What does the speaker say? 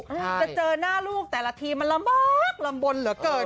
จะเจอหน้าลูกแต่ละทีมันลำบากลำบลเหลือเกิน